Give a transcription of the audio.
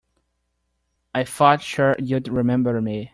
I thought sure you'd remember me.